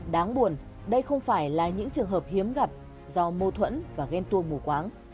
đáng buồn đây không phải là những trường hợp hiếm gặp do mâu thuẫn và ghen tuông mù quáng